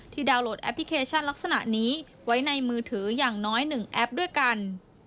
ดาวนโหลดแอปพลิเคชันลักษณะนี้ไว้ในมือถืออย่างน้อย๑แอปด้วยกัน